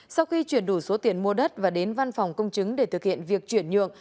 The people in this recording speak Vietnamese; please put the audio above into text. sau khi chuyển đủ số tiền mua đất và đến văn phòng công chứng để thực hiện việc chuyển nhượng